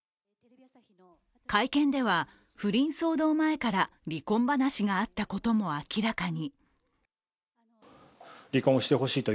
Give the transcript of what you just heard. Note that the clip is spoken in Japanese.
会見では不倫騒動前から離婚話があったことも明らかに。